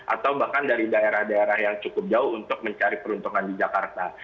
atau bahkan dari daerah daerah yang cukup jauh untuk mencari peruntungan di jakarta